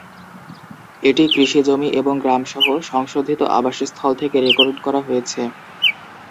এটি কৃষি জমি এবং গ্রাম সহ সংশোধিত আবাসস্থল থেকে রেকর্ড করা হয়েছে।